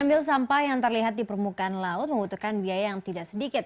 ambil sampah yang terlihat di permukaan laut membutuhkan biaya yang tidak sedikit